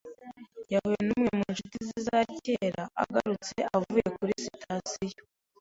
Yahuye numwe mu nshuti ze za kera agarutse avuye kuri sitasiyo.